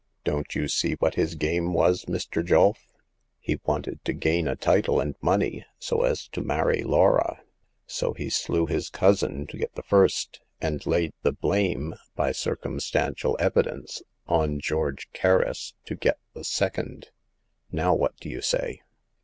Don't you see what his game w^as, Mr. Julf? He wanted to gain a title and money, so as to marry Laura : so he slew his cousin to get the first, and laid the blame— by circumstantial evidence— qtx 220 Hagar of the Pawn Shop. George Kerris, to get the second. Now what do you say